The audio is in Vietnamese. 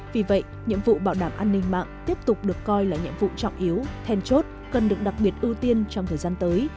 vì vậy nhiệm vụ bảo đảm an ninh mạng tiếp tục được coi là nhiệm vụ trọng yếu thèn chốt cần được đặc biệt ưu tiên trong thời gian tới